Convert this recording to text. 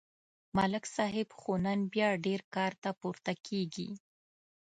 ملک صاحب خو نن بیا ډېر کار ته پورته کېږي